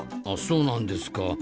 あっそうなんですか。